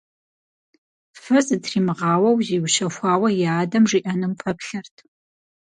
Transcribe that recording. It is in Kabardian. Фэ зытримыгъауэу зиущэхуауэ и адэм жиӏэнум пэплъэрт.